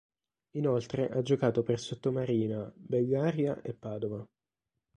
Inoltre ha giocato per Sottomarina, Bellaria e Padova.